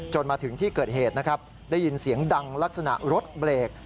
มาถึงที่เกิดเหตุนะครับได้ยินเสียงดังลักษณะรถเบรก